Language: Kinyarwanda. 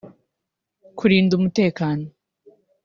kurinda umutekano